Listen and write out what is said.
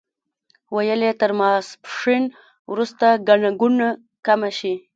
ویل یې تر ماسپښین وروسته ګڼه ګوڼه کمه شي.